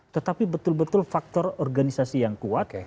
tetapi betul betul faktor organisasi yang kuat